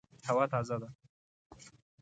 هوا تازه ده